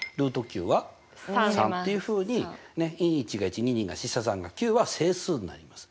は３っていうふうにね１×１が１２×２が４３×３が９は整数になります。